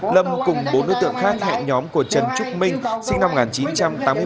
lâm cùng bốn đối tượng khác hẹn nhóm của trần trúc minh sinh năm một nghìn chín trăm tám mươi bốn